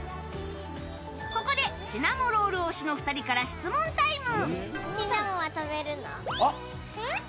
ここでシナモロール推しの２人から質問タイム。